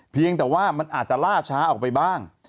เพียงแต่ว่ามันอาจจะล่าช้าออกไปบ้าง